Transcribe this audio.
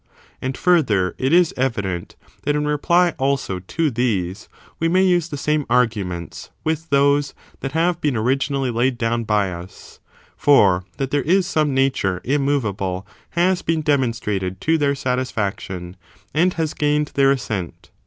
And, further, is it evident that in reply, also, to these we may use the same argiunents with those that have been originally laid down by us; for that there is some nature immovable has been demonstrated to their satisfaction, and has gained their assent.